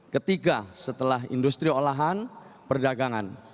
ketiga setelah industri olahan perdagangan